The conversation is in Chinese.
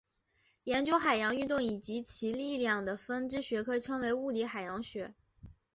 研究海洋运动以及其力量的分支学科称为物理海洋学。